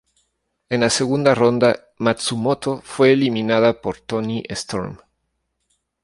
En la segunda ronda, Matsumoto fue eliminada por Toni Storm.